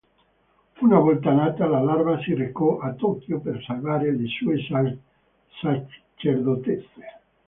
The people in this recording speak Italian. Una volta nata, la larva si recò a Tokyo per salvare le sue sacerdotesse.